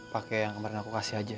pakai yang kemarin aku kasih aja